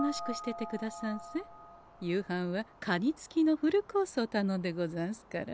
夕飯はカニ付きのフルコースをたのんでござんすから。